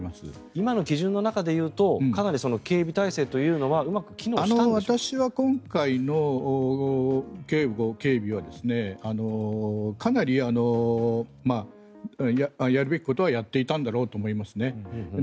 今の基準の中でいうとかなり警備体制というのは私は今回の警護、警備はかなり、やるべきことはやっていたんだろうとは思いますね。